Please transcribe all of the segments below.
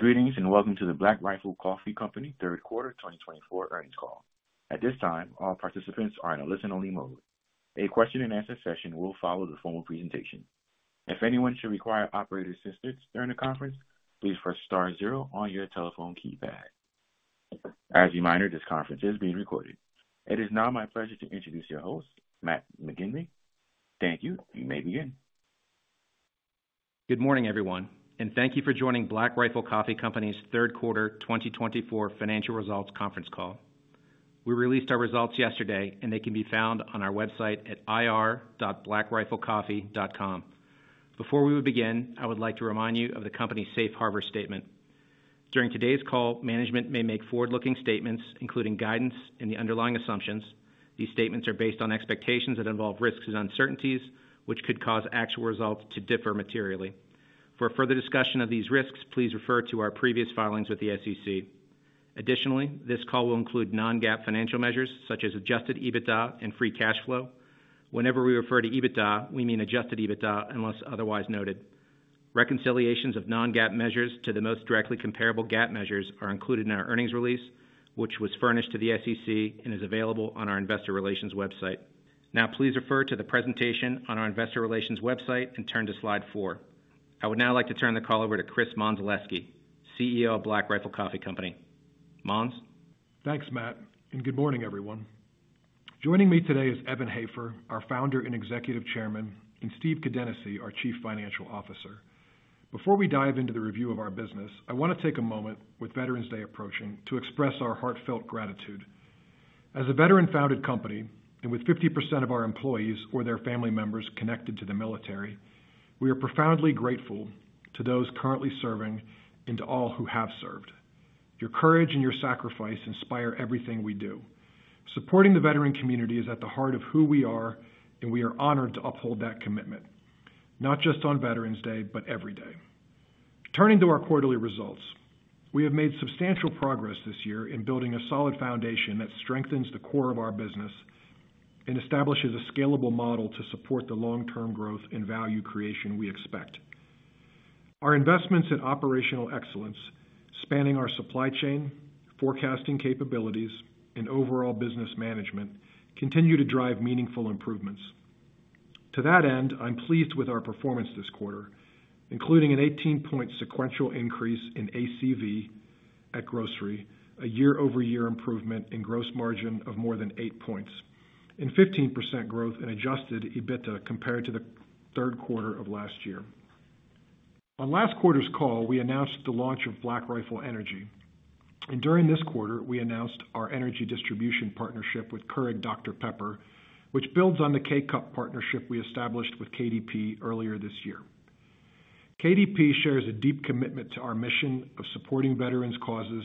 Greetings and welcome to the Black Rifle Coffee Company Q3 2024 Earnings Call. At this time, all participants are in a listen-only mode. A question-and-answer session will follow the formal presentation. If anyone should require operator assistance during the conference, please press star zero on your telephone keypad. As a reminder, this conference is being recorded. It is now my pleasure to introduce your host, Matt McGinley. Thank you. You may begin. Good morning, everyone, and thank you for joining Black Rifle Coffee Company's Q3 2024 Financial Results Conference Call. We released our results yesterday, and they can be found on our website at ir.blackriflecoffee.com. Before we begin, I would like to remind you of the company's safe harbor statement. During today's call, management may make forward-looking statements, including guidance and the underlying assumptions. These statements are based on expectations that involve risks and uncertainties, which could cause actual results to differ materially. For further discussion of these risks, please refer to our previous filings with the SEC. Additionally, this call will include non-GAAP financial measures such as adjusted EBITDA and free cash flow. Whenever we refer to EBITDA, we mean adjusted EBITDA unless otherwise noted. Reconciliations of non-GAAP measures to the most directly comparable GAAP measures are included in our earnings release, which was furnished to the SEC and is available on our investor relations website. Now, please refer to the presentation on our investor relations website and turn to slide four. I would now like to turn the call over to Chris Mondzelewski, CEO of Black Rifle Coffee Company. Mondz? Thanks, Matt, and good morning, everyone. Joining me today is Evan Hafer, our Founder and Executive Chairman, and Steve Kadenacy, our Chief Financial Officer. Before we dive into the review of our business, I want to take a moment, with Veterans Day approaching, to express our heartfelt gratitude. As a veteran-founded company and with 50% of our employees or their family members connected to the military, we are profoundly grateful to those currently serving and to all who have served. Your courage and your sacrifice inspire everything we do. Supporting the veteran community is at the heart of who we are, and we are honored to uphold that commitment, not just on Veterans Day, but every day. Turning to our quarterly results, we have made substantial progress this year in building a solid foundation that strengthens the core of our business and establishes a scalable model to support the long-term growth and value creation we expect. Our investments in operational excellence, spanning our supply chain, forecasting capabilities, and overall business management, continue to drive meaningful improvements. To that end, I'm pleased with our performance this quarter, including an 18-point sequential increase in ACV at grocery, a year-over-year improvement in gross margin of more than 8 points, and 15% growth in adjusted EBITDA compared to the Q3 of last year. On last quarter's call, we announced the launch of Black Rifle Energy, and during this quarter, we announced our energy distribution partnership with Keurig Dr Pepper, which builds on the K-Cup partnership we established with KDP earlier this year. KDP shares a deep commitment to our mission of supporting veterans' causes,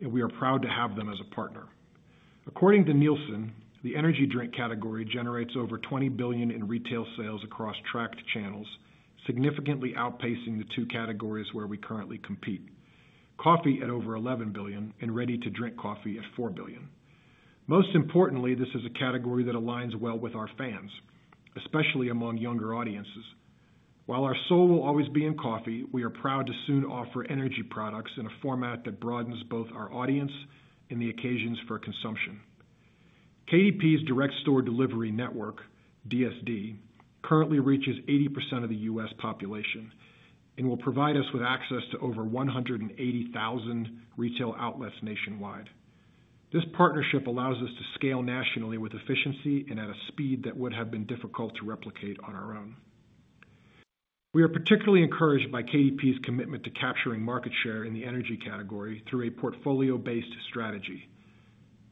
and we are proud to have them as a partner. According to Nielsen, the energy drink category generates over $20 billion in retail sales across tracked channels, significantly outpacing the two categories where we currently compete: coffee at over $11 billion and ready-to-drink coffee at $4 billion. Most importantly, this is a category that aligns well with our fans, especially among younger audiences. While our soul will always be in coffee, we are proud to soon offer energy products in a format that broadens both our audience and the occasions for consumption. KDP's direct store delivery network, DSD, currently reaches 80% of the U.S. population and will provide us with access to over 180,000 retail outlets nationwide. This partnership allows us to scale nationally with efficiency and at a speed that would have been difficult to replicate on our own. We are particularly encouraged by KDP's commitment to capturing market share in the energy category through a portfolio-based strategy.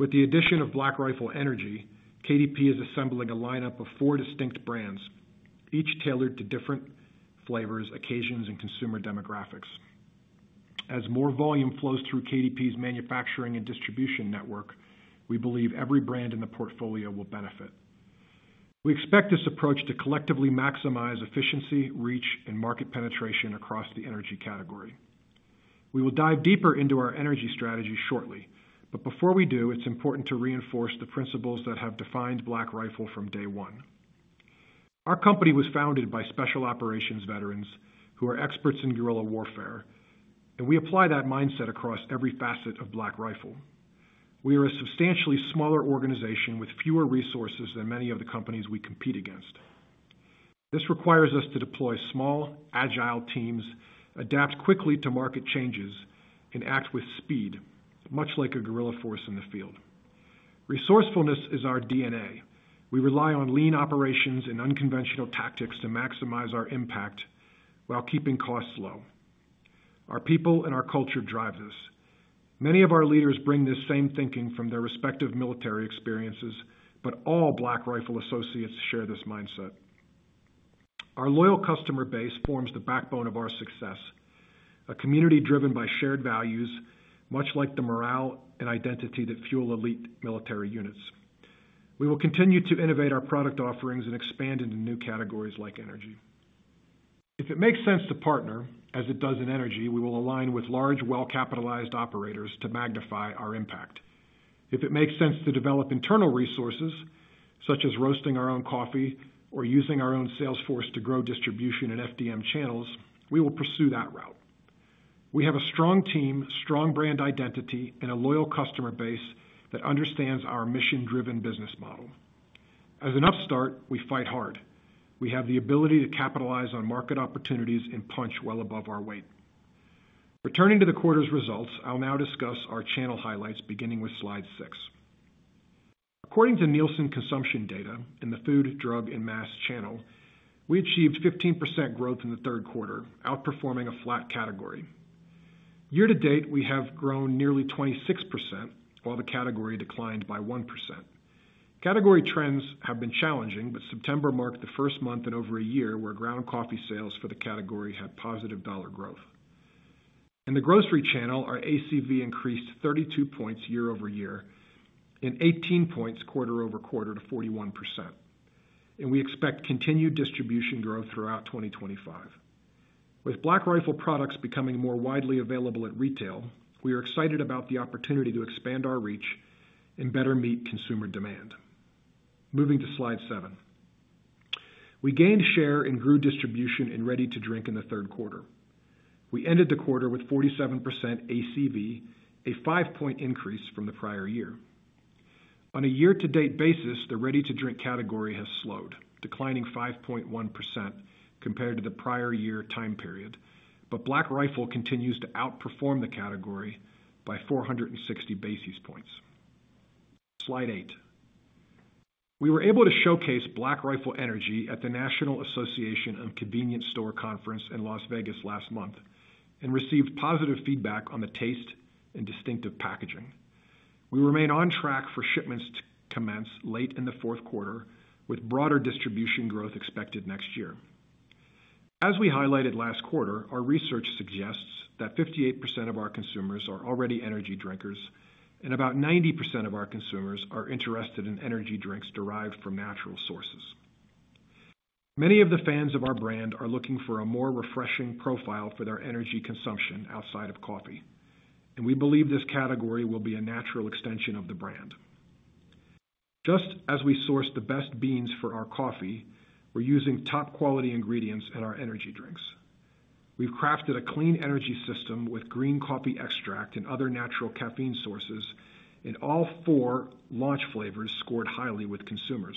With the addition of Black Rifle Energy, KDP is assembling a lineup of four distinct brands, each tailored to different flavors, occasions, and consumer demographics. As more volume flows through KDP's manufacturing and distribution network, we believe every brand in the portfolio will benefit. We expect this approach to collectively maximize efficiency, reach, and market penetration across the energy category. We will dive deeper into our energy strategy shortly, but before we do, it's important to reinforce the principles that have defined Black Rifle from day one. Our company was founded by special operations veterans who are experts in guerrilla warfare, and we apply that mindset across every facet of Black Rifle. We are a substantially smaller organization with fewer resources than many of the companies we compete against. This requires us to deploy small, agile teams, adapt quickly to market changes, and act with speed, much like a guerrilla force in the field. Resourcefulness is our DNA. We rely on lean operations and unconventional tactics to maximize our impact while keeping costs low. Our people and our culture drive this. Many of our leaders bring this same thinking from their respective military experiences, but all Black Rifle associates share this mindset. Our loyal customer base forms the backbone of our success, a community driven by shared values, much like the morale and identity that fuel elite military units. We will continue to innovate our product offerings and expand into new categories like energy. If it makes sense to partner, as it does in energy, we will align with large, well-capitalized operators to magnify our impact. If it makes sense to develop internal resources, such as roasting our own coffee or using our own sales force to grow distribution and FDM channels, we will pursue that route. We have a strong team, strong brand identity, and a loyal customer base that understands our mission-driven business model. As an upstart, we fight hard. We have the ability to capitalize on market opportunities and punch well above our weight. Returning to the quarter's results, I'll now discuss our channel highlights, beginning with slide six. According to Nielsen consumption data in the food, drug, and mass channel, we achieved 15% growth in the Q3, outperforming a flat category. Year to date, we have grown nearly 26%, while the category declined by 1%. Category trends have been challenging, but September marked the first month in over a year where ground coffee sales for the category had positive dollar growth. In the grocery channel, our ACV increased 32 points year over year and 18 points quarter over quarter to 41%. And we expect continued distribution growth throughout 2025. With Black Rifle products becoming more widely available at retail, we are excited about the opportunity to expand our reach and better meet consumer demand. Moving to slide seven, we gained share in group distribution and ready-to-drink in the Q3. We ended the quarter with 47% ACV, a five-point increase from the prior year. On a year-to-date basis, the ready-to-drink category has slowed, declining 5.1% compared to the prior year time period, but Black Rifle continues to outperform the category by 460 basis points. Slide eight. We were able to showcase Black Rifle Energy at the National Association of Convenience Stores Conference in Las Vegas last month and received positive feedback on the taste and distinctive packaging. We remain on track for shipments to commence late in the Q4, with broader distribution growth expected next year. As we highlighted last quarter, our research suggests that 58% of our consumers are already energy drinkers, and about 90% of our consumers are interested in energy drinks derived from natural sources. Many of the fans of our brand are looking for a more refreshing profile for their energy consumption outside of coffee, and we believe this category will be a natural extension of the brand. Just as we source the best beans for our coffee, we're using top-quality ingredients in our energy drinks. We've crafted a clean energy system with green coffee extract and other natural caffeine sources, and all four launch flavors scored highly with consumers.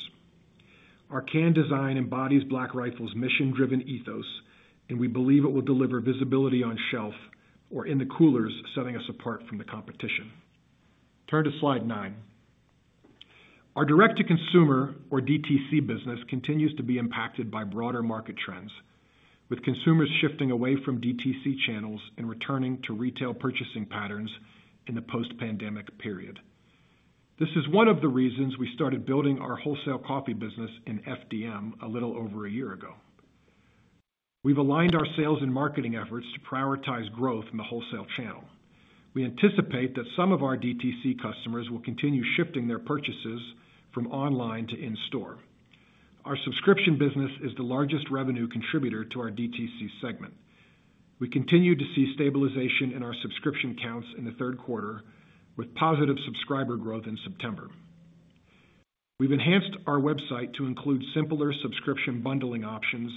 Our canned design embodies Black Rifle's mission-driven ethos, and we believe it will deliver visibility on shelf or in the coolers, setting us apart from the competition. Turn to slide nine. Our direct-to-consumer, or DTC, business continues to be impacted by broader market trends, with consumers shifting away from DTC channels and returning to retail purchasing patterns in the post-pandemic period. This is one of the reasons we started building our wholesale coffee business in FDM a little over a year ago. We've aligned our sales and marketing efforts to prioritize growth in the wholesale channel. We anticipate that some of our DTC customers will continue shifting their purchases from online to in-store. Our subscription business is the largest revenue contributor to our DTC segment. We continue to see stabilization in our subscription counts in the Q3, with positive subscriber growth in September. We've enhanced our website to include simpler subscription bundling options,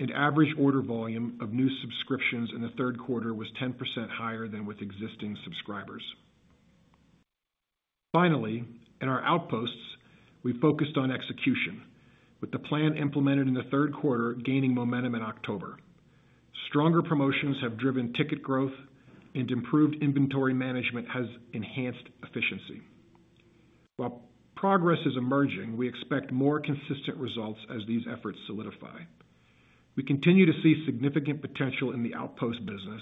and average order volume of new subscriptions in the Q3 was 10% higher than with existing subscribers. Finally, in our outposts, we focused on execution, with the plan implemented in the Q3 gaining momentum in October. Stronger promotions have driven ticket growth, and improved inventory management has enhanced efficiency. While progress is emerging, we expect more consistent results as these efforts solidify. We continue to see significant potential in the outpost business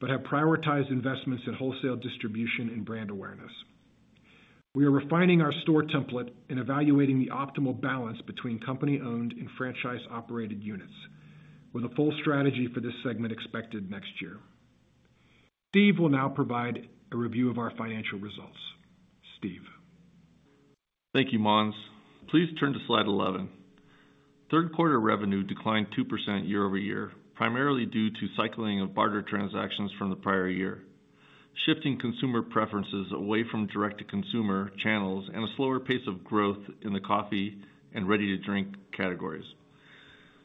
but have prioritized investments in wholesale distribution and brand awareness. We are refining our store template and evaluating the optimal balance between company-owned and franchise-operated units, with a full strategy for this segment expected next year. Steve will now provide a review of our financial results. Steve. Thank you, Mondz. Please turn to slide 11. Q3 revenue declined 2% year over year, primarily due to cycling of barter transactions from the prior year, shifting consumer preferences away from direct-to-consumer channels and a slower pace of growth in the coffee and ready-to-drink categories.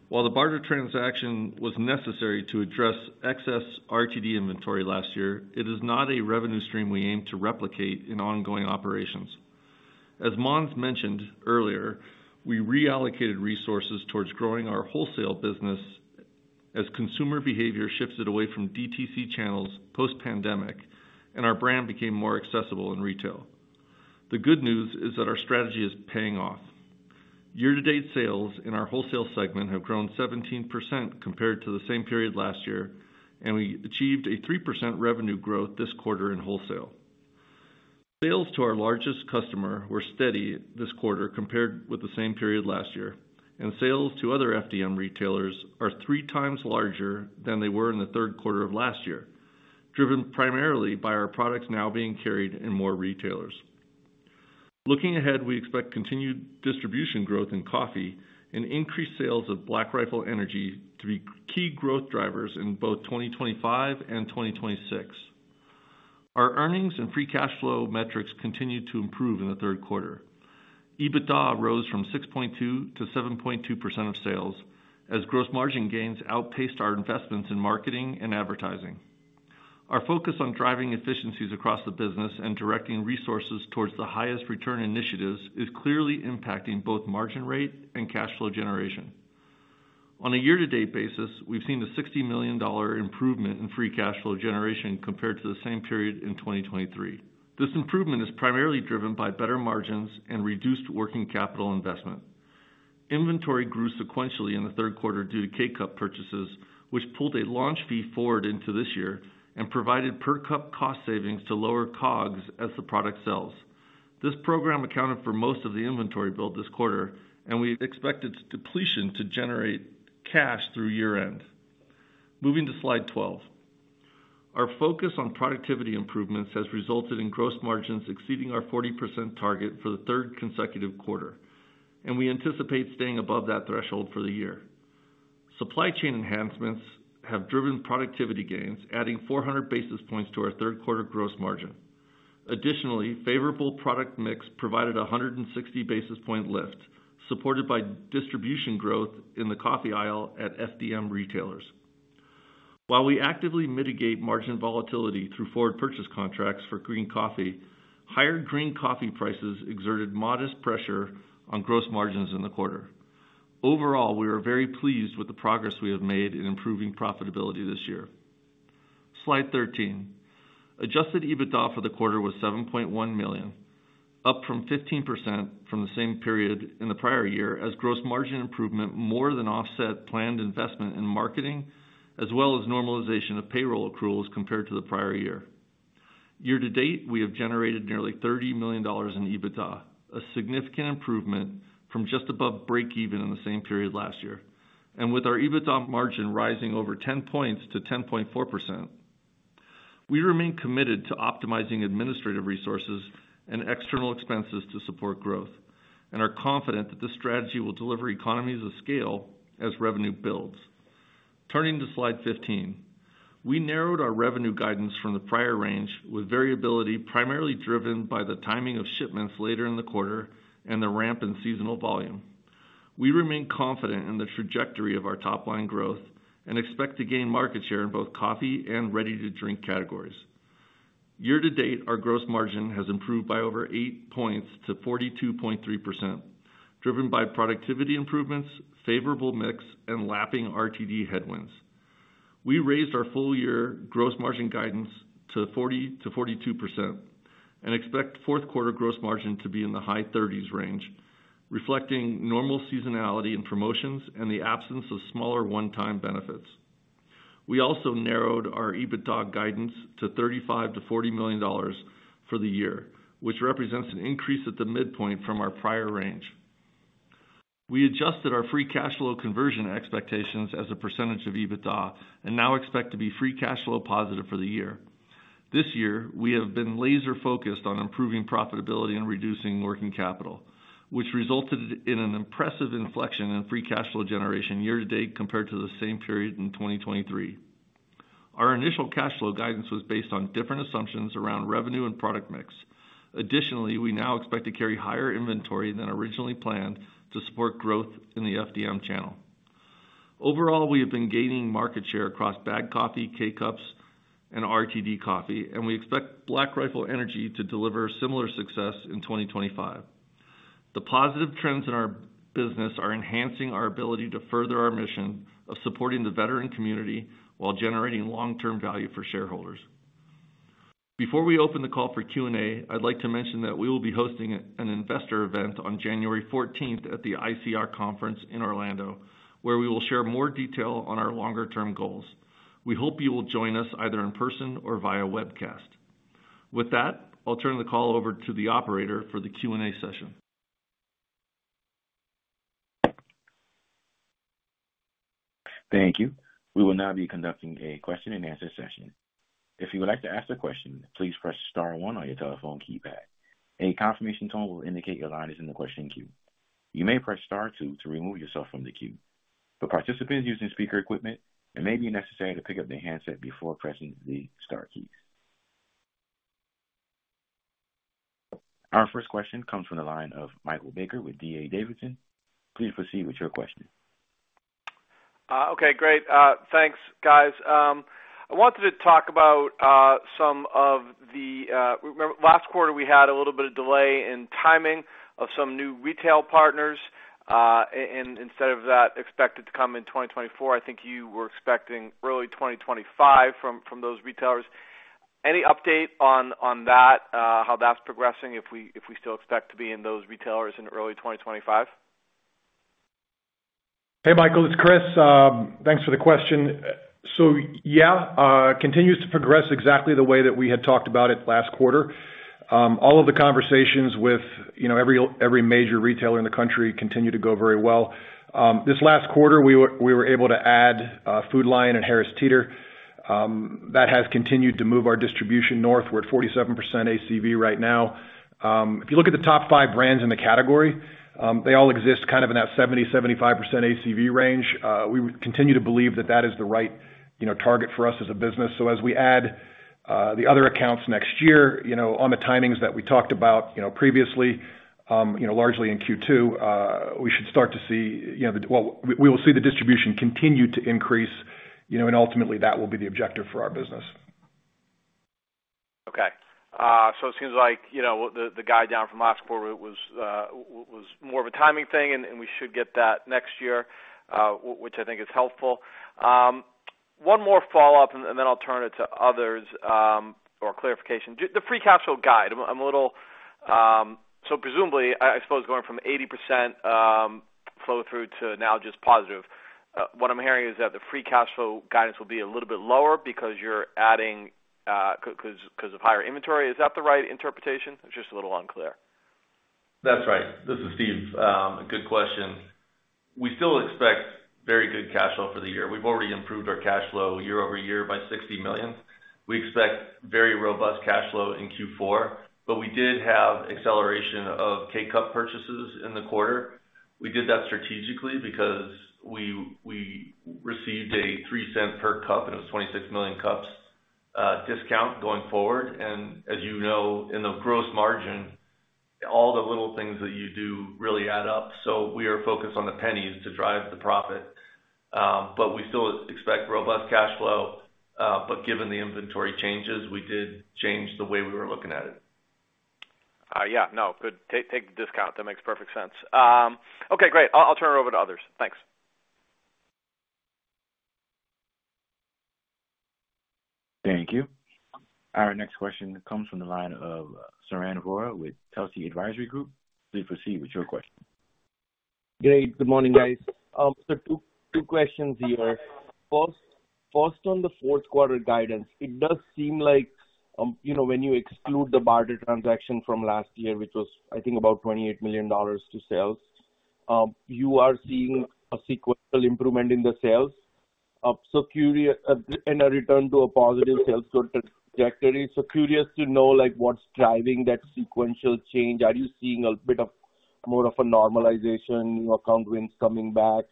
While the barter transaction was necessary to address excess RTD inventory last year, it is not a revenue stream we aim to replicate in ongoing operations. As Mondz mentioned earlier, we reallocated resources towards growing our wholesale business as consumer behavior shifted away from DTC channels post-pandemic, and our brand became more accessible in retail. The good news is that our strategy is paying off. Year-to-date sales in our wholesale segment have grown 17% compared to the same period last year, and we achieved a 3% revenue growth this quarter in wholesale. Sales to our largest customer were steady this quarter compared with the same period last year, and sales to other FDM retailers are three times larger than they were in the Q3 of last year, driven primarily by our products now being carried in more retailers. Looking ahead, we expect continued distribution growth in coffee and increased sales of Black Rifle Energy to be key growth drivers in both 2025 and 2026. Our earnings and free cash flow metrics continued to improve in the Q3. EBITDA rose from 6.2% to 7.2% of sales as gross margin gains outpaced our investments in marketing and advertising. Our focus on driving efficiencies across the business and directing resources towards the highest return initiatives is clearly impacting both margin rate and cash flow generation. On a year-to-date basis, we've seen a $60 million improvement in free cash flow generation compared to the same period in 2023. This improvement is primarily driven by better margins and reduced working capital investment. Inventory grew sequentially in the Q3 due to K-Cup purchases, which pulled a launch fee forward into this year and provided per cup cost savings to lower COGS as the product sells. This program accounted for most of the inventory build this quarter, and we expected depletion to generate cash through year-end. Moving to slide 12, our focus on productivity improvements has resulted in gross margins exceeding our 40% target for the third consecutive quarter, and we anticipate staying above that threshold for the year. Supply chain enhancements have driven productivity gains, adding 400 basis points to our Q3 gross margin. Additionally, favorable product mix provided a 160 basis point lift, supported by distribution growth in the coffee aisle at FDM retailers. While we actively mitigate margin volatility through forward purchase contracts for green coffee, higher green coffee prices exerted modest pressure on gross margins in the quarter. Overall, we are very pleased with the progress we have made in improving profitability this year. Slide 13, adjusted EBITDA for the quarter was $7.1 million, up 15% from the same period in the prior year as gross margin improvement more than offset planned investment in marketing, as well as normalization of payroll accruals compared to the prior year. Year to date, we have generated nearly $30 million in EBITDA, a significant improvement from just above break-even in the same period last year, and with our EBITDA margin rising over 10 points to 10.4%. We remain committed to optimizing administrative resources and external expenses to support growth, and are confident that this strategy will deliver economies of scale as revenue builds. Turning to slide 15, we narrowed our revenue guidance from the prior range with variability primarily driven by the timing of shipments later in the quarter and the ramp in seasonal volume. We remain confident in the trajectory of our top-line growth and expect to gain market share in both coffee and ready-to-drink categories. Year to date, our gross margin has improved by over eight points to 42.3%, driven by productivity improvements, favorable mix, and lapping RTD headwinds. We raised our full-year gross margin guidance to 40 to 42% and expect fourth quarter gross margin to be in the high 30s range, reflecting normal seasonality in promotions and the absence of smaller one-time benefits. We also narrowed our EBITDA guidance to $35-40 million for the year, which represents an increase at the midpoint from our prior range. We adjusted our free cash flow conversion expectations as a percentage of EBITDA and now expect to be free cash flow positive for the year. This year, we have been laser-focused on improving profitability and reducing working capital, which resulted in an impressive inflection in free cash flow generation year to date compared to the same period in 2023. Our initial cash flow guidance was based on different assumptions around revenue and product mix. Additionally, we now expect to carry higher inventory than originally planned to support growth in the FDM channel. Overall, we have been gaining market share across bagged coffee, K-Cups, and RTD coffee, and we expect Black Rifle Energy to deliver similar success in 2025. The positive trends in our business are enhancing our ability to further our mission of supporting the veteran community while generating long-term value for shareholders. Before we open the call for Q&A, I'd like to mention that we will be hosting an investor event on January 14th at the ICR Conference in Orlando, where we will share more detail on our longer-term goals. We hope you will join us either in person or via webcast. With that, I'll turn the call over to the operator for the Q&A session. Thank you. We will now be conducting a question-and-answer session. If you would like to ask a question, please press Star one on your telephone keypad. A confirmation tone will indicate your line is in the question queue. You may press Star two to remove yourself from the queue. For participants using speaker equipment, it may be necessary to pick up the handset before pressing the Star keys. Our first question comes from the line of Michael Baker with D.A. Davidson. Please proceed with your question. Okay, great. Thanks, guys. I wanted to talk about some of the last quarter we had a little bit of delay in timing of some new retail partners, and instead of that expected to come in 2024, I think you were expecting early 2025 from those retailers. Any update on that, how that's progressing, if we still expect to be in those retailers in early 2025? Hey, Michael, it's Chris. Thanks for the question. So yeah, continues to progress exactly the way that we had talked about it last quarter. All of the conversations with every major retailer in the country continue to go very well. This last quarter, we were able to add Food Lion and Harris Teeter. That has continued to move our distribution north. We're at 47% ACV right now. If you look at the top five brands in the category, they all exist kind of in that 70%-75% ACV range. We continue to believe that that is the right target for us as a business. So as we add the other accounts next year, on the timings that we talked about previously, largely in Q2, we should start to see we will see the distribution continue to increase, and ultimately, that will be the objective for our business. Okay. So it seems like the guide down from last quarter was more of a timing thing, and we should get that next year, which I think is helpful. One more follow-up, and then I'll turn it to others or clarification. The free cash flow guide, I'm a little so presumably, I suppose going from 80% flow-through to now just positive. What I'm hearing is that the free cash flow guidance will be a little bit lower because you're adding because of higher inventory. Is that the right interpretation? It's just a little unclear. That's right. This is Steve. Good question. We still expect very good cash flow for the year. We've already improved our cash flow year over year by $60 million. We expect very robust cash flow in Q4, but we did have acceleration of K-Cup purchases in the quarter. We did that strategically because we received a $0.03 per cup, and it was 26 million cups discount going forward, and as you know, in the gross margin, all the little things that you do really add up, so we are focused on the pennies to drive the profit, but we still expect robust cash flow, but given the inventory changes, we did change the way we were looking at it. Yeah, no, good. Take the discount. That makes perfect sense. Okay, great. I'll turn it over to others. Thanks. Thank you. Our next question comes from the line of Sarang Vora with Telsey Advisory Group. Please proceed with your question. Hey, good morning, guys. So two questions here. First, on the Q4 guidance, it does seem like when you exclude the barter transaction from last year, which was, I think, about $28 million to sales, you are seeing a sequential improvement in the sales. So curious, and a return to a positive sales trajectory. So curious to know what's driving that sequential change. Are you seeing a bit of more of a normalization, account wins coming back?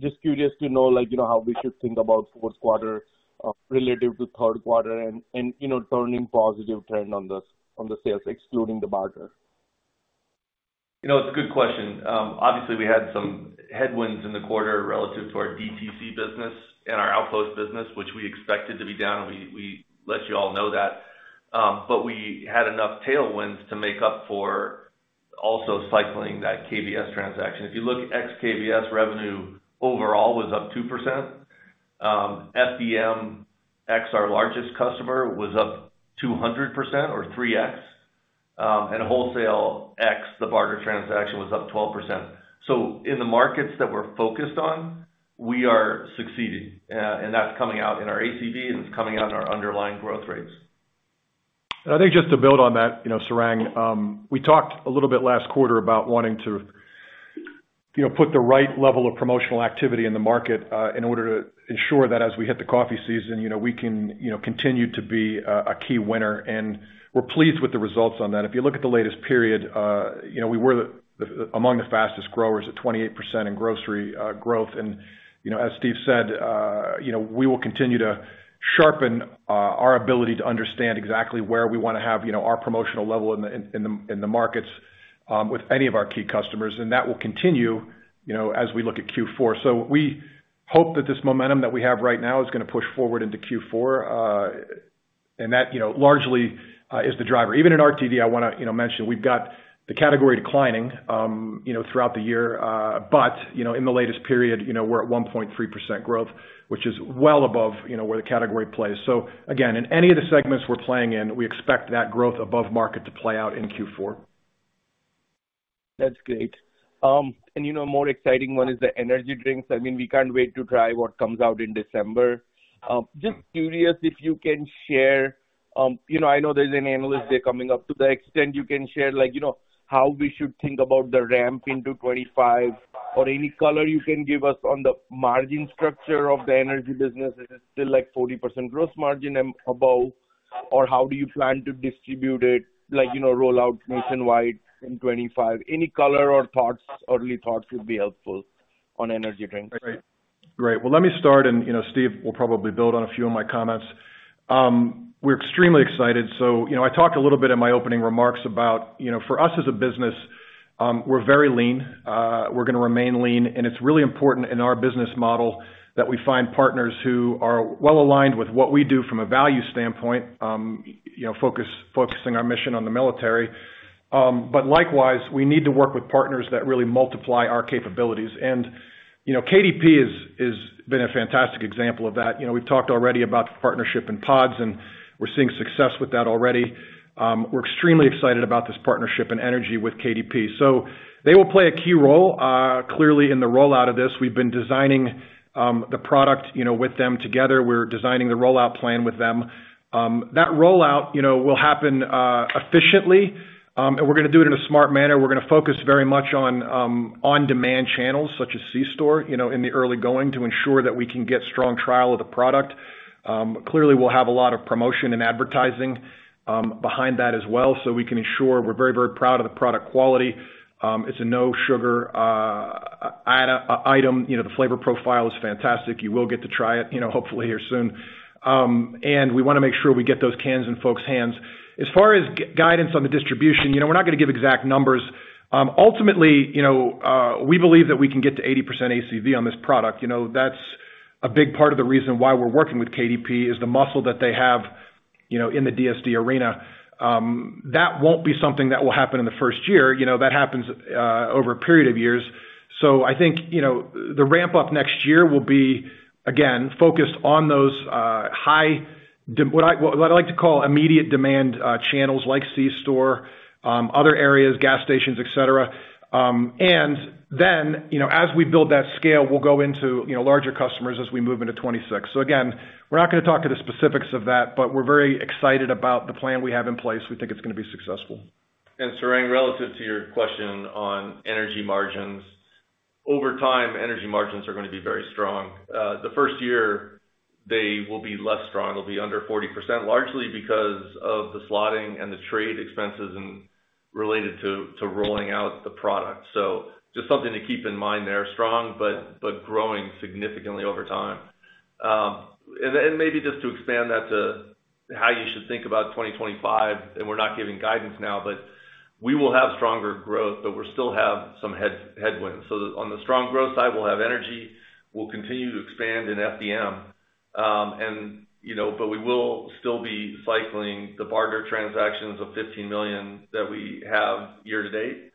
Just curious to know how we should think about Q4 relative to Q3 and turning positive trend on the sales, excluding the barter. It's a good question. Obviously, we had some headwinds in the quarter relative to our DTC business and our outpost business, which we expected to be down. We let you all know that, but we had enough tailwinds to make up for also cycling that KBS transaction. If you look, ex-KBS revenue overall was up 2%. FDM, our largest customer, was up 200% or 3X. And wholesale, the barter transaction, was up 12%, so in the markets that we're focused on, we are succeeding, and that's coming out in our ACV, and it's coming out in our underlying growth rates. I think just to build on that, Sarang, we talked a little bit last quarter about wanting to put the right level of promotional activity in the market in order to ensure that as we hit the coffee season, we can continue to be a key winner. We're pleased with the results on that. If you look at the latest period, we were among the fastest growers at 28% in grocery growth. As Steve said, we will continue to sharpen our ability to understand exactly where we want to have our promotional level in the markets with any of our key customers. That will continue as we look at Q4. We hope that this momentum that we have right now is going to push forward into Q4. That largely is the driver. Even in RTD, I want to mention we've got the category declining throughout the year. But in the latest period, we're at 1.3% growth, which is well above where the category plays. So again, in any of the segments we're playing in, we expect that growth above market to play out in Q4. That's great. And you know a more exciting one is the energy drinks. I mean, we can't wait to try what comes out in December. Just curious if you can share. I know there's an analyst day coming up. To the extent you can share how we should think about the ramp into 2025 or any color you can give us on the margin structure of the energy business. Is it still like 40% gross margin and above? Or how do you plan to distribute it, roll out nationwide in 2025? Any color or early thoughts would be helpful on energy drinks. Great. Let me start, and Steve will probably build on a few of my comments. We're extremely excited. I talked a little bit in my opening remarks about for us as a business, we're very lean. We're going to remain lean. It's really important in our business model that we find partners who are well aligned with what we do from a value standpoint, focusing our mission on the military. Likewise, we need to work with partners that really multiply our capabilities. KDP has been a fantastic example of that. We've talked already about the partnership and pods, and we're seeing success with that already. We're extremely excited about this partnership and energy with KDP. They will play a key role, clearly, in the rollout of this. We've been designing the product with them together. We're designing the rollout plan with them. That rollout will happen efficiently, and we're going to do it in a smart manner. We're going to focus very much on on-demand channels such as C-Store in the early going to ensure that we can get strong trial of the product. Clearly, we'll have a lot of promotion and advertising behind that as well so we can ensure we're very, very proud of the product quality. It's a no-sugar item. The flavor profile is fantastic. You will get to try it, hopefully, here soon. And we want to make sure we get those cans in folks' hands. As far as guidance on the distribution, we're not going to give exact numbers. Ultimately, we believe that we can get to 80% ACV on this product. That's a big part of the reason why we're working with KDP is the muscle that they have in the DSD arena. That won't be something that will happen in the first year. That happens over a period of years. So I think the ramp-up next year will be, again, focused on those high, what I like to call, immediate demand channels like C-Store, other areas, gas stations, etc. And then, as we build that scale, we'll go into larger customers as we move into 2026. So again, we're not going to talk to the specifics of that, but we're very excited about the plan we have in place. We think it's going to be successful. And Sarang, relative to your question on energy margins, over time, energy margins are going to be very strong. The first year, they will be less strong. They'll be under 40%, largely because of the slotting and the trade expenses related to rolling out the product. So just something to keep in mind there, strong, but growing significantly over time. And maybe just to expand that to how you should think about 2025, and we're not giving guidance now, but we will have stronger growth, but we'll still have some headwinds. So on the strong growth side, we'll have energy. We'll continue to expand in FDM, but we will still be cycling the barter transactions of $15 million that we have year to date.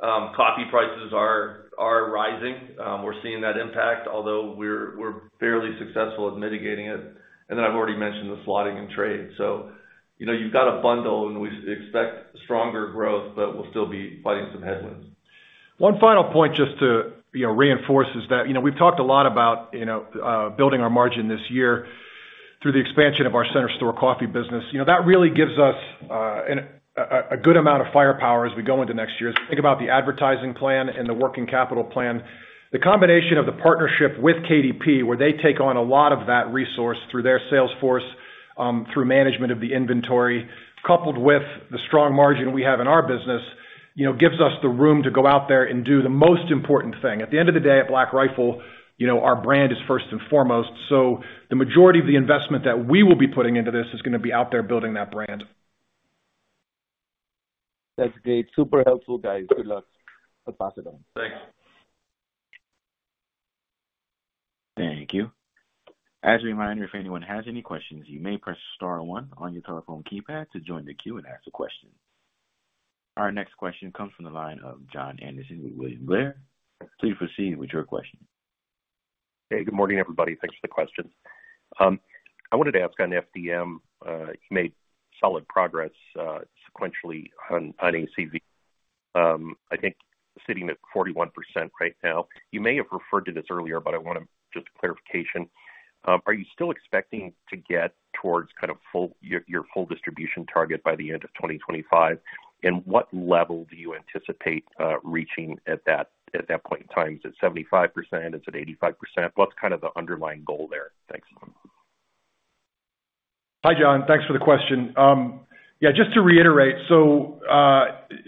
Coffee prices are rising. We're seeing that impact, although we're fairly successful at mitigating it. And then I've already mentioned the slotting and trade. So you've got a bundle, and we expect stronger growth, but we'll still be fighting some headwinds. One final point just to reinforce is that we've talked a lot about building our margin this year through the expansion of our center store coffee business. That really gives us a good amount of firepower as we go into next year. Think about the advertising plan and the working capital plan. The combination of the partnership with KDP, where they take on a lot of that resource through their sales force, through management of the inventory, coupled with the strong margin we have in our business, gives us the room to go out there and do the most important thing. At the end of the day, at Black Rifle, our brand is first and foremost. So the majority of the investment that we will be putting into this is going to be out there building that brand. That's great. Super helpful, guys. Good luck. Pass it on. Thanks. Thank you. As a reminder, if anyone has any questions, you may press star one on your telephone keypad to join the queue and ask a question. Our next question comes from the line of Jon Andersen with William Blair. Please proceed with your question. Hey, good morning, everybody. Thanks for the question. I wanted to ask on FDM. You made solid progress sequentially on ACV. I think sitting at 41% right now. You may have referred to this earlier, but I want to just clarification. Are you still expecting to get towards kind of your full distribution target by the end of 2025? And what level do you anticipate reaching at that point in time? Is it 75%? Is it 85%? What's kind of the underlying goal there? Thanks. Hi, John. Thanks for the question. Yeah, just to reiterate, so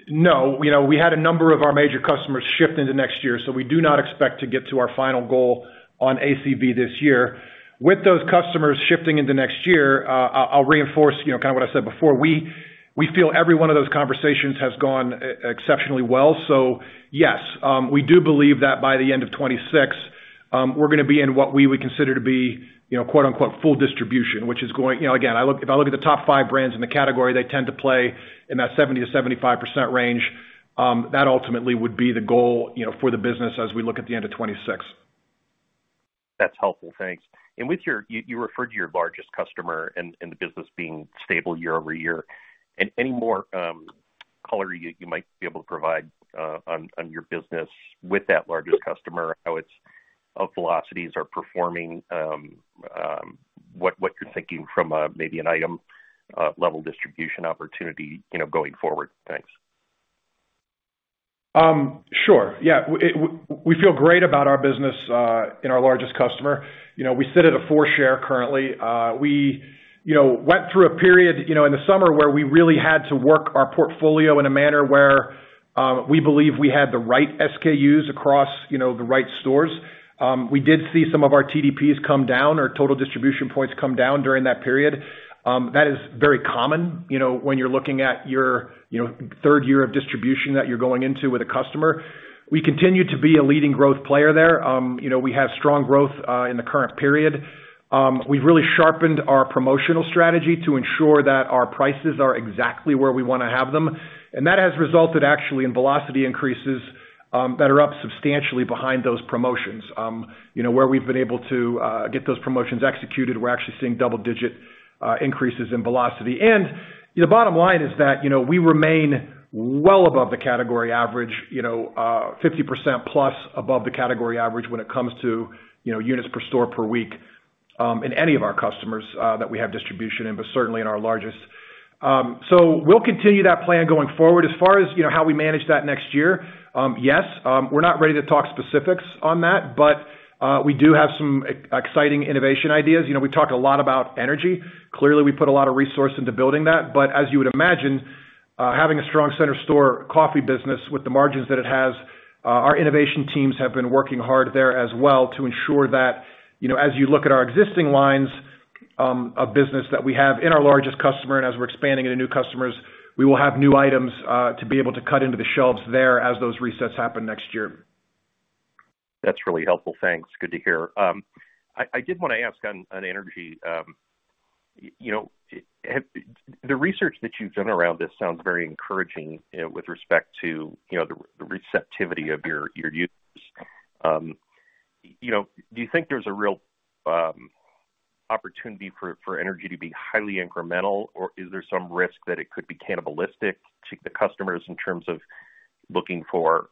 no, we had a number of our major customers shift into next year, so we do not expect to get to our final goal on ACV this year. With those customers shifting into next year, I'll reinforce kind of what I said before. We feel every one of those conversations has gone exceptionally well. So yes, we do believe that by the end of 2026, we're going to be in what we would consider to be "full distribution," which is going again, if I look at the top five brands in the category, they tend to play in that 70%-75% range. That ultimately would be the goal for the business as we look at the end of 2026. That's helpful. Thanks. And you referred to your largest customer and the business being stable year over year. And any more color you might be able to provide on your business with that largest customer, how its velocities are performing, what you're thinking from maybe an item-level distribution opportunity going forward? Thanks. Sure. Yeah. We feel great about our business in our largest customer. We sit at a four-share currently. We went through a period in the summer where we really had to work our portfolio in a manner where we believe we had the right SKUs across the right stores. We did see some of our TDPs come down or total distribution points come down during that period. That is very common when you're looking at your third year of distribution that you're going into with a customer. We continue to be a leading growth player there. We have strong growth in the current period. We've really sharpened our promotional strategy to ensure that our prices are exactly where we want to have them, and that has resulted actually in velocity increases that are up substantially behind those promotions. Where we've been able to get those promotions executed, we're actually seeing double-digit increases in velocity. And the bottom line is that we remain well above the category average, 50% plus above the category average when it comes to units per store per week in any of our customers that we have distribution in, but certainly in our largest. So we'll continue that plan going forward. As far as how we manage that next year, yes, we're not ready to talk specifics on that, but we do have some exciting innovation ideas. We talk a lot about energy. Clearly, we put a lot of resource into building that. But as you would imagine, having a strong center store coffee business with the margins that it has, our innovation teams have been working hard there as well to ensure that as you look at our existing lines of business that we have in our largest customer and as we're expanding into new customers, we will have new items to be able to cut into the shelves there as those resets happen next year. That's really helpful. Thanks. Good to hear. I did want to ask on energy. The research that you've done around this sounds very encouraging with respect to the receptivity of your users. Do you think there's a real opportunity for energy to be highly incremental, or is there some risk that it could be cannibalistic to the customers in terms of looking for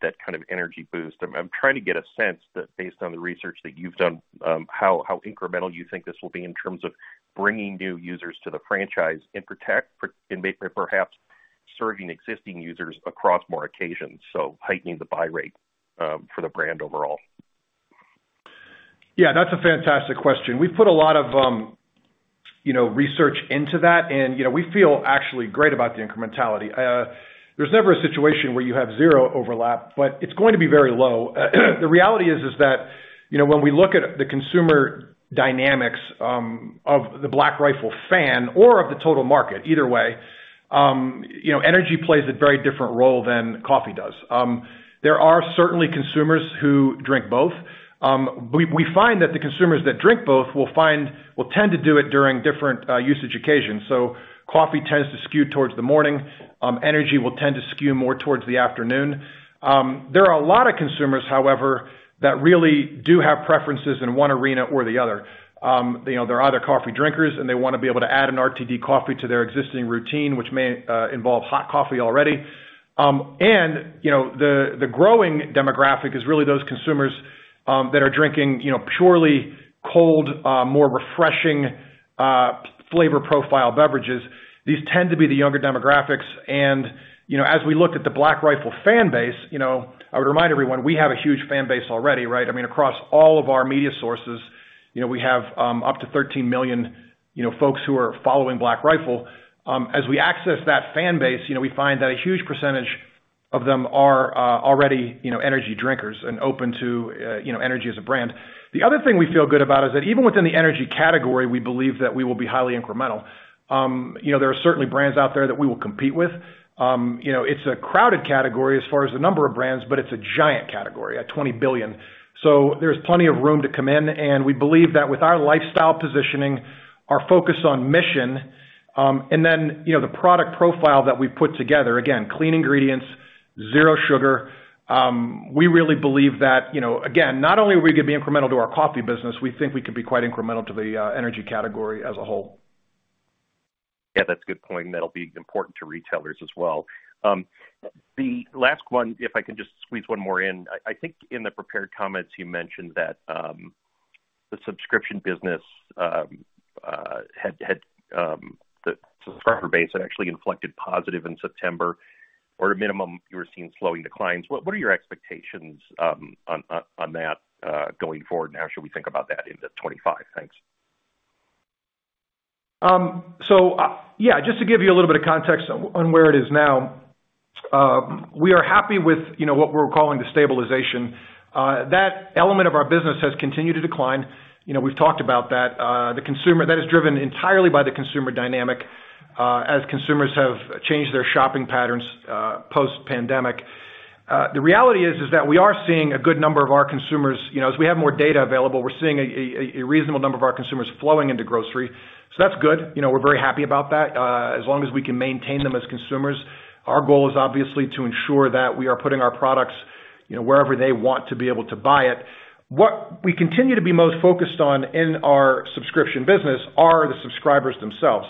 that kind of energy boost? I'm trying to get a sense that based on the research that you've done, how incremental you think this will be in terms of bringing new users to the franchise and perhaps serving existing users across more occasions, so heightening the buy rate for the brand overall. Yeah, that's a fantastic question. We've put a lot of research into that, and we feel actually great about the incrementality. There's never a situation where you have zero overlap, but it's going to be very low. The reality is that when we look at the consumer dynamics of the Black Rifle fan or of the total market, either way, energy plays a very different role than coffee does. There are certainly consumers who drink both. We find that the consumers that drink both will tend to do it during different usage occasions. So coffee tends to skew towards the morning. Energy will tend to skew more towards the afternoon. There are a lot of consumers, however, that really do have preferences in one arena or the other. There are other coffee drinkers, and they want to be able to add an RTD coffee to their existing routine, which may involve hot coffee already. And the growing demographic is really those consumers that are drinking purely cold, more refreshing flavor profile beverages. These tend to be the younger demographics. And as we look at the Black Rifle fan base, I would remind everyone we have a huge fan base already, right? I mean, across all of our media sources, we have up to 13 million folks who are following Black Rifle. As we access that fan base, we find that a huge percentage of them are already energy drinkers and open to energy as a brand. The other thing we feel good about is that even within the energy category, we believe that we will be highly incremental. There are certainly brands out there that we will compete with. It's a crowded category as far as the number of brands, but it's a giant category, at $20 billion. So there's plenty of room to come in. And we believe that with our lifestyle positioning, our focus on mission, and then the product profile that we put together, again, clean ingredients, zero sugar, we really believe that, again, not only are we going to be incremental to our coffee business, we think we could be quite incremental to the energy category as a whole. Yeah, that's a good point. That'll be important to retailers as well. The last one, if I can just squeeze one more in. I think in the prepared comments, you mentioned that the subscription business, the subscriber base, had actually inflected positive in September, or at a minimum, you were seeing slowing declines. What are your expectations on that going forward? Now, should we think about that into 2025? Thanks. So yeah, just to give you a little bit of context on where it is now, we are happy with what we're calling the stabilization. That element of our business has continued to decline. We've talked about that. That is driven entirely by the consumer dynamic as consumers have changed their shopping patterns post-pandemic. The reality is that we are seeing a good number of our consumers. As we have more data available, we're seeing a reasonable number of our consumers flowing into grocery. So that's good. We're very happy about that. As long as we can maintain them as consumers, our goal is obviously to ensure that we are putting our products wherever they want to be able to buy it. What we continue to be most focused on in our subscription business are the subscribers themselves.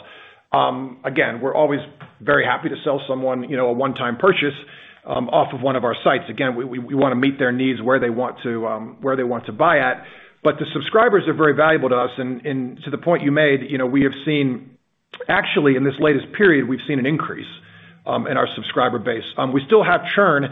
Again, we're always very happy to sell someone a one-time purchase off of one of our sites. Again, we want to meet their needs where they want to buy at. But the subscribers are very valuable to us. And to the point you made, we have seen, actually, in this latest period, we've seen an increase in our subscriber base. We still have churn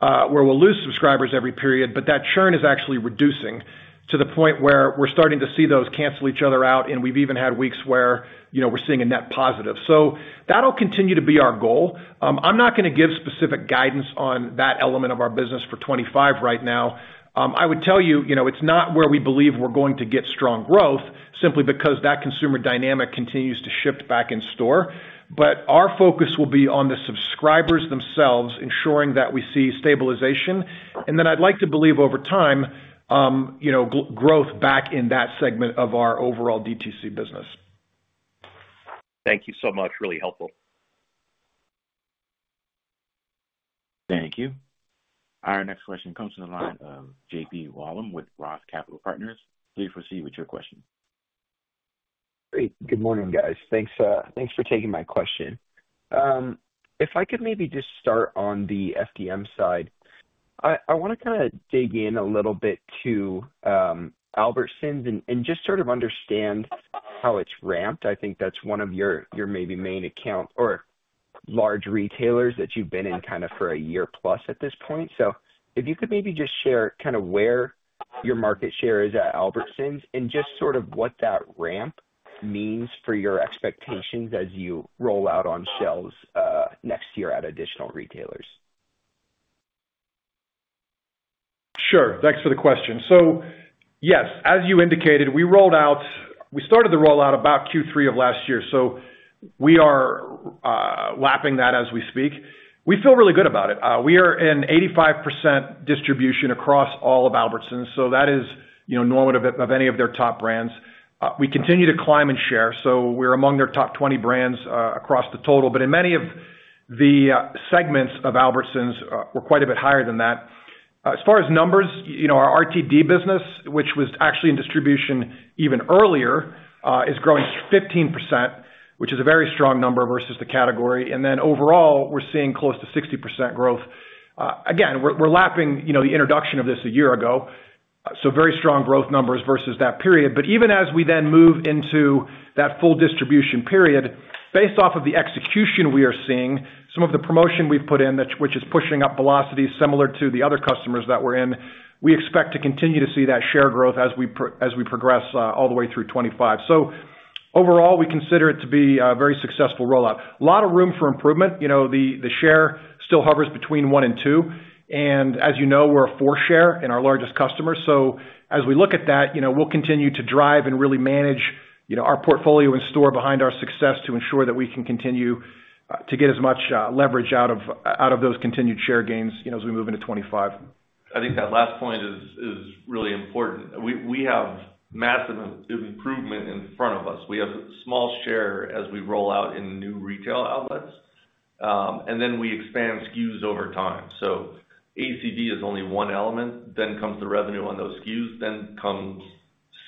where we'll lose subscribers every period, but that churn is actually reducing to the point where we're starting to see those cancel each other out. And we've even had weeks where we're seeing a net positive. So that'll continue to be our goal. I'm not going to give specific guidance on that element of our business for 2025 right now. I would tell you it's not where we believe we're going to get strong growth simply because that consumer dynamic continues to shift back in store. But our focus will be on the subscribers themselves, ensuring that we see stabilization. And then I'd like to believe over time, growth back in that segment of our overall DTC business. Thank you so much. Really helpful. Thank you. Our next question comes from the line of J.P. Wollam with Roth Capital Partners. Please proceed with your question. Great. Good morning, guys. Thanks for taking my question. If I could maybe just start on the FDM side, I want to kind of dig in a little bit to Albertsons and just sort of understand how it's ramped. I think that's one of your maybe main accounts or large retailers that you've been in kind of for a year plus at this point. So if you could maybe just share kind of where your market share is at Albertsons and just sort of what that ramp means for your expectations as you roll out on shelves next year at additional retailers. Sure. Thanks for the question. So yes, as you indicated, we rolled out. We started the rollout about Q3 of last year. So we are lapping that as we speak. We feel really good about it. We are in 85% distribution across all of Albertsons. So that is normative of any of their top brands. We continue to climb in share. So we're among their top 20 brands across the total. But in many of the segments of Albertsons, we're quite a bit higher than that. As far as numbers, our RTD business, which was actually in distribution even earlier, is growing 15%, which is a very strong number versus the category. And then overall, we're seeing close to 60% growth. Again, we're lapping the introduction of this a year ago. So very strong growth numbers versus that period. But even as we then move into that full distribution period, based off of the execution we are seeing, some of the promotion we've put in, which is pushing up velocity similar to the other customers that we're in, we expect to continue to see that share growth as we progress all the way through 2025. So overall, we consider it to be a very successful rollout. A lot of room for improvement. The share still hovers between one and two. And as you know, we're a four-share in our largest customer. So as we look at that, we'll continue to drive and really manage our portfolio and store behind our success to ensure that we can continue to get as much leverage out of those continued share gains as we move into 2025. I think that last point is really important. We have massive improvement in front of us. We have a small share as we roll out in new retail outlets. And then we expand SKUs over time. So ACV is only one element. Then comes the revenue on those SKUs. Then comes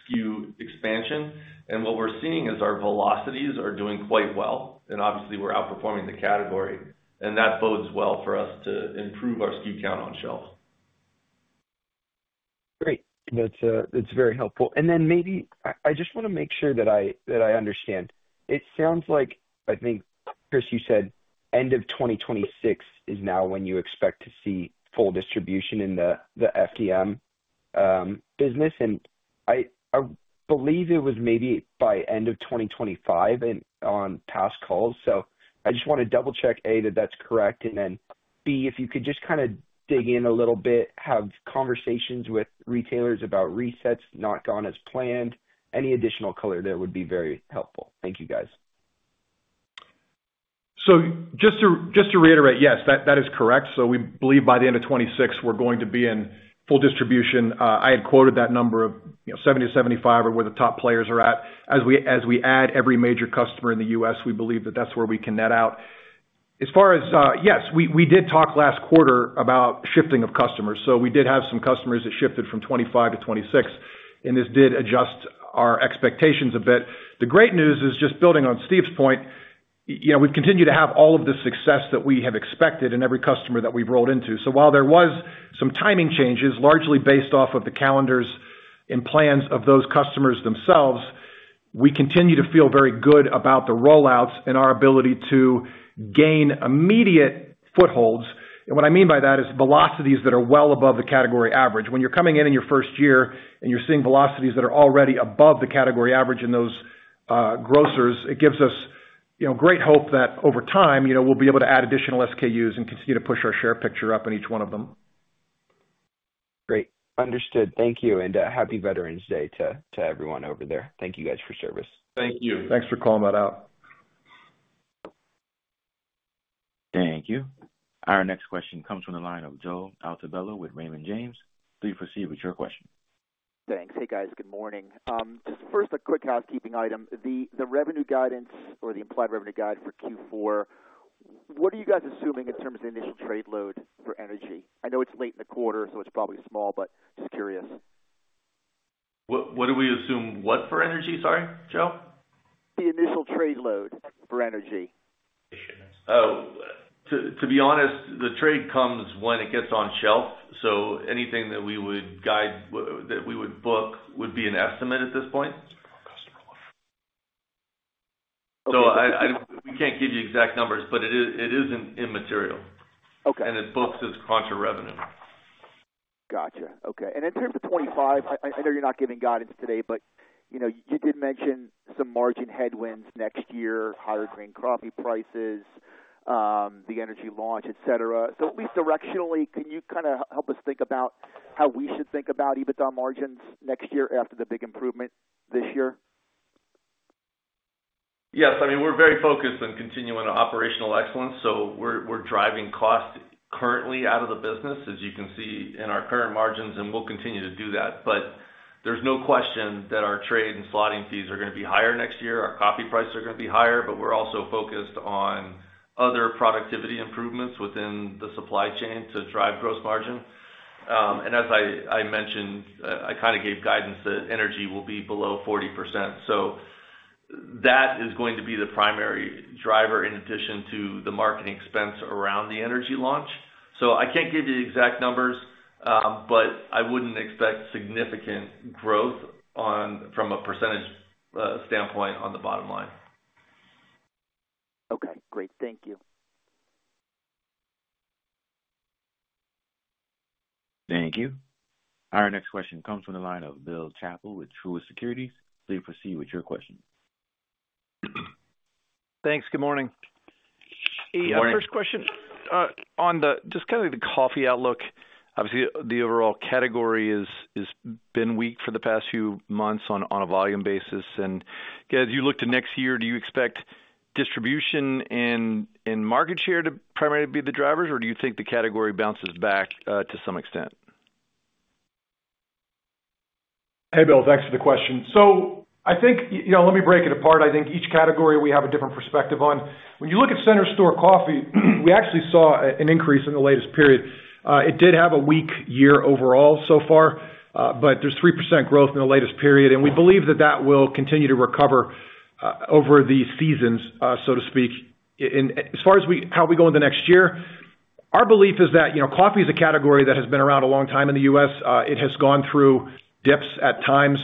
SKU expansion. And what we're seeing is our velocities are doing quite well. And obviously, we're outperforming the category. And that bodes well for us to improve our SKU count on shelf. Great. That's very helpful. And then maybe I just want to make sure that I understand. It sounds like, I think, Chris, you said end of 2026 is now when you expect to see full distribution in the FDM business. And I believe it was maybe by end of 2025 on past calls. So I just want to double-check, A, that that's correct. And then B, if you could just kind of dig in a little bit, have conversations with retailers about resets not gone as planned. Any additional color there would be very helpful. Thank you, guys. So just to reiterate, yes, that is correct. So we believe by the end of 2026, we're going to be in full distribution. I had quoted that number of 70-75 or where the top players are at. As we add every major customer in the U.S., we believe that that's where we can net out. As far as, yes, we did talk last quarter about shifting of customers. So we did have some customers that shifted from 2025 to 2026. And this did adjust our expectations a bit. The great news is just building on Steve's point, we've continued to have all of the success that we have expected in every customer that we've rolled into. So while there were some timing changes, largely based off of the calendars and plans of those customers themselves, we continue to feel very good about the rollouts and our ability to gain immediate footholds. And what I mean by that is velocities that are well above the category average. When you're coming in in your first year and you're seeing velocities that are already above the category average in those grocers, it gives us great hope that over time, we'll be able to add additional SKUs and continue to push our share picture up in each one of them. Great. Understood. Thank you. And happy Veterans Day to everyone over there. Thank you guys for service. Thank you. Thanks for calling that out. Thank you. Our next question comes from the line of Joe Altobello with Raymond James. Please proceed with your question. Thanks. Hey, guys. Good morning. Just first, a quick housekeeping item. The revenue guidance or the implied revenue guide for Q4, what are you guys assuming in terms of initial trade load for energy? I know it's late in the quarter, so it's probably small, but just curious. What do we assume for energy, sorry, Joe? The initial trade load for energy. Oh. To be honest, the trade comes when it gets on shelf. So anything that we would guide that we would book would be an estimate at this point. So we can't give you exact numbers, but it is immaterial. And it books as quantum revenue. Gotcha. Okay. And in terms of 2025, I know you're not giving guidance today, but you did mention some margin headwinds next year, higher green coffee prices, the energy launch, etc. So at least directionally, can you kind of help us think about how we should think about EBITDA margins next year after the big improvement this year? Yes. I mean, we're very focused on continuing operational excellence. So we're driving cost currently out of the business, as you can see in our current margins, and we'll continue to do that. But there's no question that our trade and slotting fees are going to be higher next year. Our coffee prices are going to be higher, but we're also focused on other productivity improvements within the supply chain to drive gross margin. And as I mentioned, I kind of gave guidance that energy will be below 40%. So that is going to be the primary driver in addition to the marketing expense around the energy launch. So I can't give you exact numbers, but I wouldn't expect significant growth from a percentage standpoint on the bottom line. Okay. Great. Thank you. Thank you. Our next question comes from the line of Bill Chappell with Truist Securities. Please proceed with your question. Thanks. Good morning. Good morning. First question on just kind of the coffee outlook. Obviously, the overall category has been weak for the past few months on a volume basis. And as you look to next year, do you expect distribution and market share to primarily be the drivers, or do you think the category bounces back to some extent? Hey, Bill. Thanks for the question. So I think let me break it apart. I think each category we have a different perspective on. When you look at center store coffee, we actually saw an increase in the latest period. It did have a weak year overall so far, but there's 3% growth in the latest period. And we believe that that will continue to recover over the seasons, so to speak. As far as how we go into next year, our belief is that coffee is a category that has been around a long time in the U.S. It has gone through dips at times.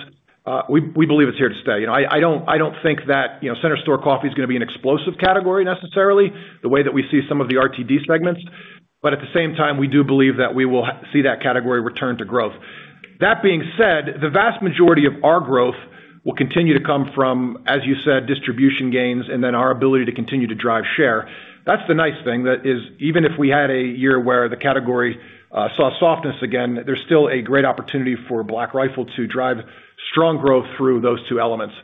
We believe it's here to stay. I don't think that center store coffee is going to be an explosive category necessarily the way that we see some of the RTD segments. But at the same time, we do believe that we will see that category return to growth. That being said, the vast majority of our growth will continue to come from, as you said, distribution gains and then our ability to continue to drive share. That's the nice thing that is even if we had a year where the category saw softness again, there's still a great opportunity for Black Rifle to drive strong growth through those two elements.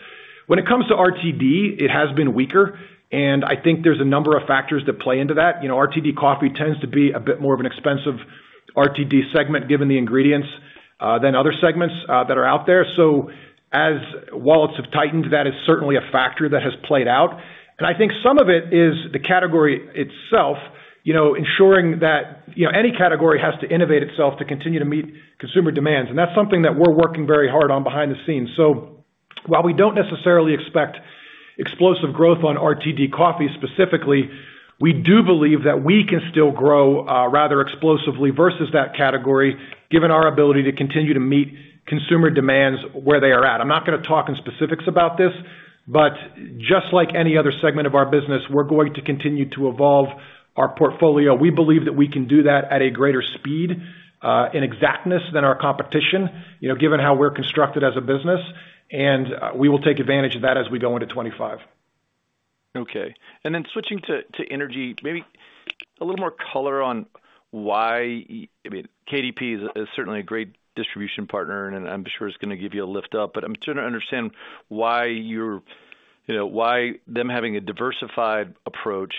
When it comes to RTD, it has been weaker, and I think there's a number of factors that play into that. RTD coffee tends to be a bit more of an expensive RTD segment given the ingredients than other segments that are out there, so as wallets have tightened, that is certainly a factor that has played out, and I think some of it is the category itself, ensuring that any category has to innovate itself to continue to meet consumer demands, and that's something that we're working very hard on behind the scenes, so while we don't necessarily expect explosive growth on RTD coffee specifically, we do believe that we can still grow rather explosively versus that category given our ability to continue to meet consumer demands where they are at. I'm not going to talk in specifics about this, but just like any other segment of our business, we're going to continue to evolve our portfolio. We believe that we can do that at a greater speed and exactness than our competition, given how we're constructed as a business, and we will take advantage of that as we go into 2025. Okay. And then switching to energy, maybe a little more color on why I mean, KDP is certainly a great distribution partner, and I'm sure it's going to give you a lift up. But I'm trying to understand why them having a diversified approach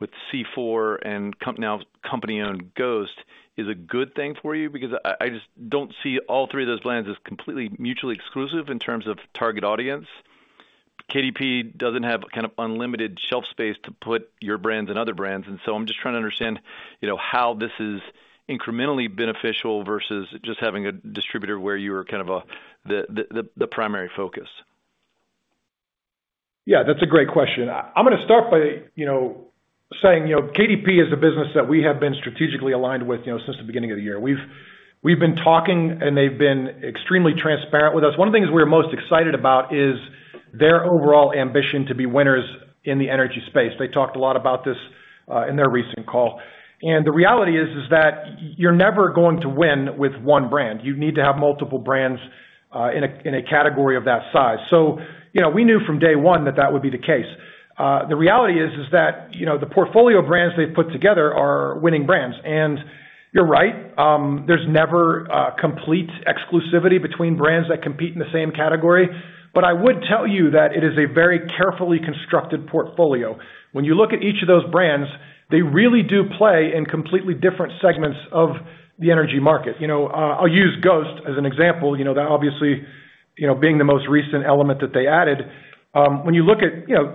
with C4 and now company-owned Ghost is a good thing for you because I just don't see all three of those brands as completely mutually exclusive in terms of target audience. KDP doesn't have kind of unlimited shelf space to put your brands and other brands. And so I'm just trying to understand how this is incrementally beneficial versus just having a distributor where you were kind of the primary focus. Yeah, that's a great question. I'm going to start by saying KDP is a business that we have been strategically aligned with since the beginning of the year. We've been talking, and they've been extremely transparent with us. One of the things we're most excited about is their overall ambition to be winners in the energy space. They talked a lot about this in their recent call, and the reality is that you're never going to win with one brand. You need to have multiple brands in a category of that size, so we knew from day one that that would be the case. The reality is that the portfolio brands they've put together are winning brands, and you're right. There's never complete exclusivity between brands that compete in the same category, but I would tell you that it is a very carefully constructed portfolio. When you look at each of those brands, they really do play in completely different segments of the energy market. I'll use Ghost as an example. That obviously, being the most recent element that they added, when you look at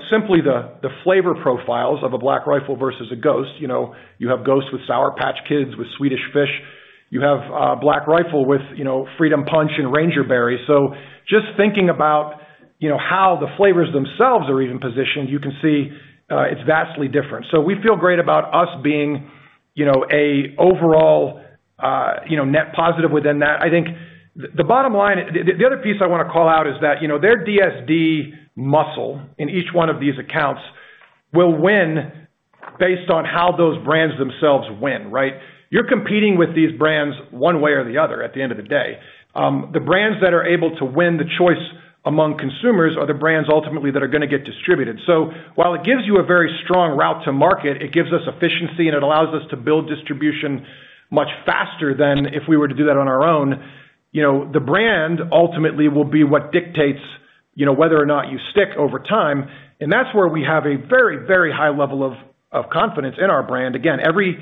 simply the flavor profiles of a Black Rifle versus a Ghost, you have Ghost with Sour Patch Kids with Swedish Fish. You have Black Rifle with Freedom Punch and Ranger Berry. So just thinking about how the flavors themselves are even positioned, you can see it's vastly different. So we feel great about us being an overall net positive within that. I think the bottom line, the other piece I want to call out is that their DSD muscle in each one of these accounts will win based on how those brands themselves win, right? You're competing with these brands one way or the other at the end of the day. The brands that are able to win the choice among consumers are the brands ultimately that are going to get distributed. So while it gives you a very strong route to market, it gives us efficiency, and it allows us to build distribution much faster than if we were to do that on our own. The brand ultimately will be what dictates whether or not you stick over time, and that's where we have a very, very high level of confidence in our brand. Again, every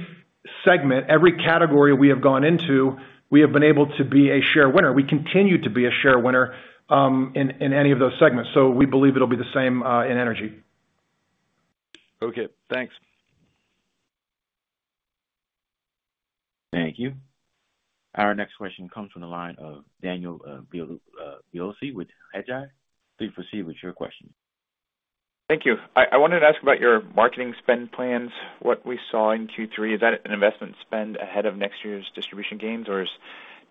segment, every category we have gone into, we have been able to be a share winner. We continue to be a share winner in any of those segments, so we believe it'll be the same in energy. Okay. Thanks. Thank you. Our next question comes from the line of Daniel Biolsi with Hedgeye. Please proceed with your question. Thank you. I wanted to ask about your marketing spend plans, what we saw in Q3. Is that an investment spend ahead of next year's distribution gains, or is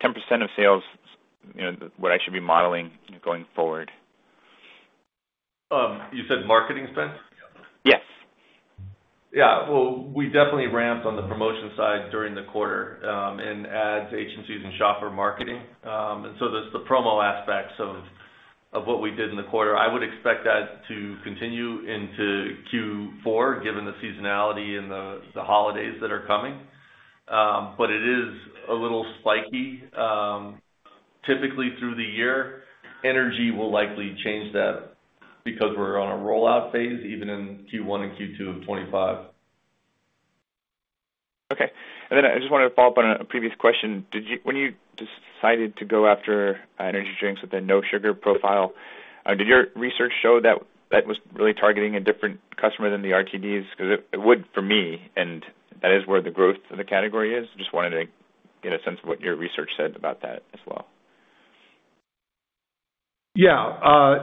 10% of sales what I should be modeling going forward? You said marketing spend? Yes. Yeah. Well, we definitely ramped on the promotion side during the quarter in ads, agencies, and shopper marketing. And so there's the promo aspects of what we did in the quarter. I would expect that to continue into Q4 given the seasonality and the holidays that are coming. But it is a little spiky. Typically through the year, energy will likely change that because we're on a rollout phase even in Q1 and Q2 of 2025. Okay. And then I just wanted to follow up on a previous question. When you decided to go after energy drinks with a no-sugar profile, did your research show that that was really targeting a different customer than the RTDs? Because it would for me, and that is where the growth of the category is. Just wanted to get a sense of what your research said about that as well. Yeah.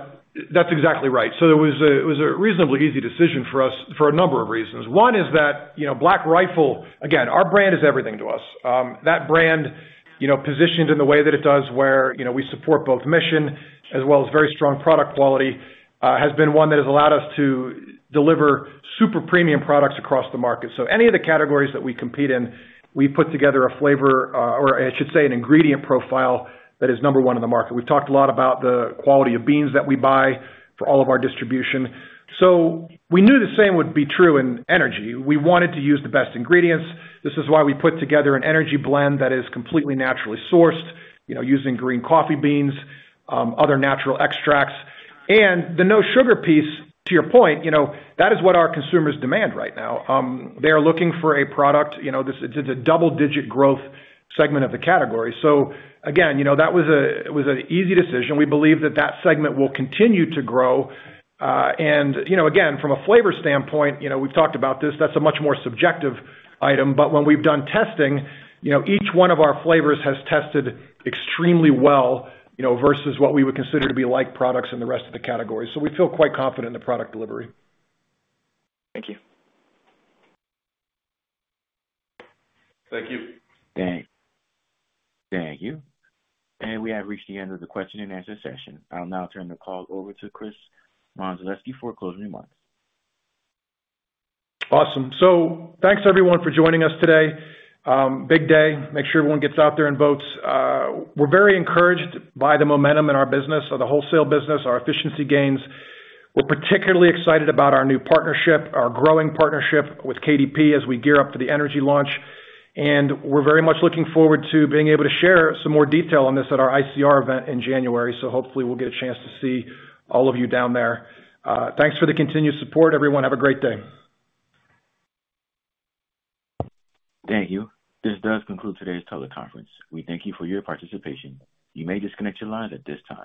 That's exactly right. So it was a reasonably easy decision for us for a number of reasons. One is that Black Rifle, again, our brand is everything to us. That brand, positioned in the way that it does where we support both mission as well as very strong product quality, has been one that has allowed us to deliver super premium products across the market. So any of the categories that we compete in, we put together a flavor, or I should say an ingredient profile that is number one in the market. We've talked a lot about the quality of beans that we buy for all of our distribution. So we knew the same would be true in energy. We wanted to use the best ingredients. This is why we put together an energy blend that is completely naturally sourced using green coffee beans, other natural extracts. And the no-sugar piece, to your point, that is what our consumers demand right now. They are looking for a product. It's a double-digit growth segment of the category. So again, that was an easy decision. We believe that that segment will continue to grow. And again, from a flavor standpoint, we've talked about this. That's a much more subjective item. But when we've done testing, each one of our flavors has tested extremely well versus what we would consider to be like products in the rest of the category. So we feel quite confident in the product delivery. Thank you. Thank you. Thanks. Thank you. And we have reached the end of the question and answer session. I'll now turn the call over to Chris Mondzelewski for closing remarks. Awesome. So thanks, everyone, for joining us today. Big day. Make sure everyone gets out there and votes. We're very encouraged by the momentum in our business, the wholesale business, our efficiency gains. We're particularly excited about our new partnership, our growing partnership with KDP as we gear up for the energy launch. And we're very much looking forward to being able to share some more detail on this at our ICR event in January. So hopefully, we'll get a chance to see all of you down there. Thanks for the continued support, everyone. Have a great day. Thank you. This does conclude today's teleconference. We thank you for your participation. You may disconnect your lines at this time.